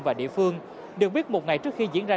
và địa phương được biết một ngày trước khi diễn ra